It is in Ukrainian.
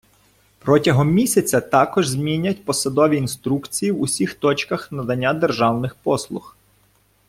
Протягом місяця також змінять посадові інструкції в усіх точках надання державних послуг.